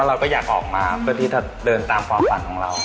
เราก็อยากออกมาเพื่อที่จะเดินตามความฝันของเรา